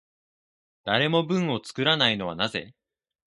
誰も文を作らないのはなぜ？